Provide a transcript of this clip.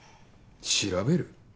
調べる？